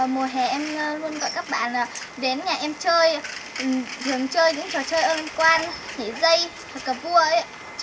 mùa hè em luôn gọi các bạn đến nhà em chơi thường chơi những trò chơi ơn quan nhảy dây hợp cập vua ấy